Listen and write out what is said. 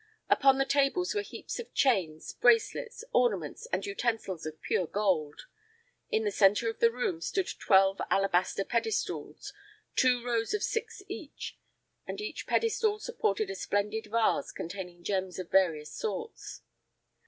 Upon the tables were heaps of chains, bracelets, ornaments and utensils of pure gold. In the center of the room stood twelve alabaster pedestals, two rows of six each, and each pedestal supported a splendid vase containing gems of various sorts.